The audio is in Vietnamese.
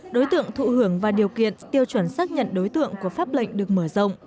đối tượng thụ hưởng và điều kiện tiêu chuẩn xác nhận đối tượng của pháp lệnh được mở rộng